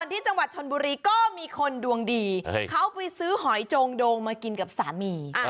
ที่จังหวัดชนบุรีก็มีคนดวงดีเขาไปซื้อหอยโจงโดงมากินกับสามี